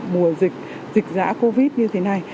mùa dịch dịch dã covid như thế này